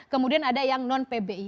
kemudian ada yang non pbi